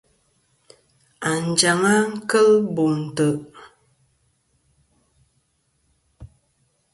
Anjaŋ-a kel Bo ntè'.